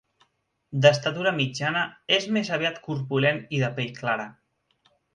D'estatura mitjana, és més aviat corpulent i de pell clara.